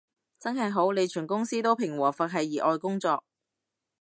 真係好，你全公司都平和佛系熱愛工作